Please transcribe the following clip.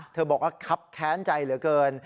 บอกว่าครับแค้นใจเหลือเกิน